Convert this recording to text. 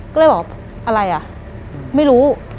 ก็เลยบอกอะไรอ่ะไม่รู้